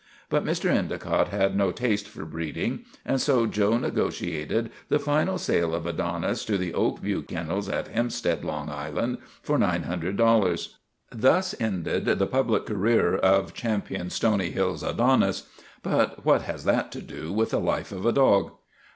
But Mr. Endicott had no taste for breeding, and so Joe negotiated the final sale of Adonis to the Oak View Kennels at Hempstead, Long Island, for $900. Thus ended the public career of Ch. Stony Hills Adonis. But what has that to do with the life of a dog?